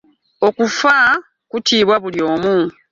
Okufa kutiibwa buli omu.